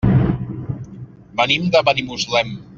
Venim de Benimuslem.